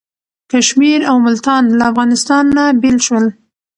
کشمیر او ملتان له افغانستان نه بیل شول.